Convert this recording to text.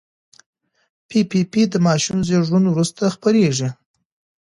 پي پي پي د ماشوم زېږون وروسته خپرېږي.